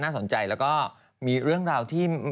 สนใจแล้วก็มีเรื่องราวที่